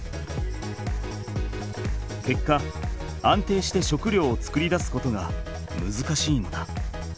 けっか安定して食料を作り出すことがむずかしいのだ。